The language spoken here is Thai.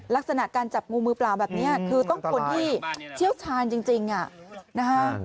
ลักษณะการจับงูมือเปล่าแบบนี้คือต้องคนที่เชี่ยวชาญจริงนะฮะ